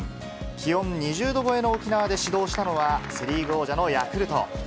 気温２０度超えの沖縄で始動したのは、セ・リーグ王者のヤクルト。